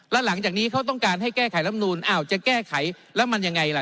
แล้วหลังจากนี้เขาต้องการให้แก้ไขรำนูนอ้าวจะแก้ไขแล้วมันยังไงล่ะ